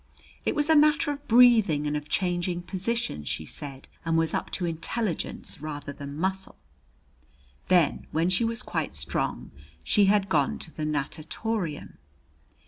It was a matter of breathing and of changing positions, she said, and was up to intelligence rather than muscle. Then when she was quite strong, she had gone to the natatorium.